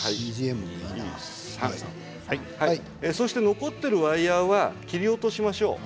残っているワイヤーは切り落としましょう。